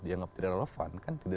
dianggap tidak relevan